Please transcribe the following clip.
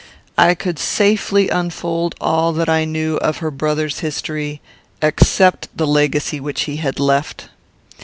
"I could safely unfold all that I knew of her brother's history, except the legacy which he had left.